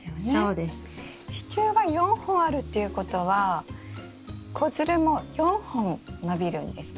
支柱が４本あるっていうことは子づるも４本伸びるんですか？